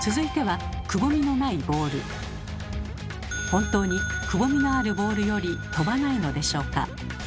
本当にくぼみのあるボールより飛ばないのでしょうか。